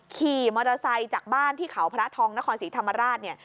ขี่มอเตอร์ไซค์จากบ้านที่เขาพระทองนครศรีธรรมราช